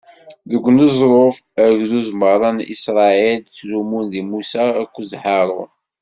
Deg uneẓruf, agdud meṛṛa n Isṛayil ttlummun di Musa akked Haṛun.